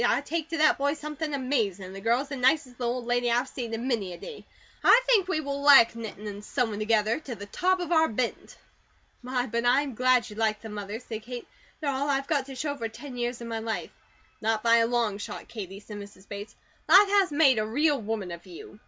I take to that boy something amazin', and the girl is the nicest little old lady I've seen in many a day. I think we will like knittin' and sewin' together, to the top of our bent." "My, but I'm glad you like them, Mother," said Kate. "They are all I've got to show for ten years of my life." "Not by a long shot, Katie," said Mrs. Bates. "Life has made a real woman of you.